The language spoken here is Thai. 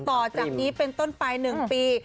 ต่อจากนี้เป็นต้นไป๑ปี